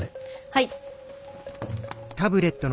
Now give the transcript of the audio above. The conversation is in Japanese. はい。